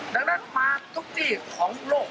ดังนั้นมาทุกที่ของโลก